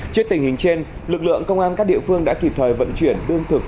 trước tình hình trên lực lượng công an các địa phương đã kịp thời vận chuyển lương thực